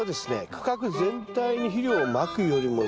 区画全体に肥料をまくよりもですね